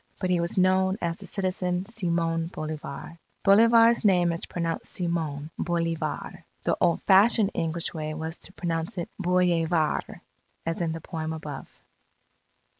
But he was known as the citizen, Simon Bolivar Bolivar's name is pronounced, Seemon Boleevar The old fashioned English way was to pronounce it Bollevaar, as in the poem above.